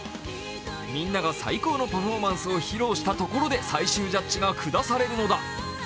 皆が最高のパフォーマンスを披露したところで最終ジャッジが下されるのだ。